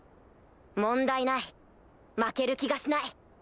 問題ない負ける気がしない。